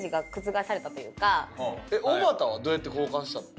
おばたはどうやって交換したの？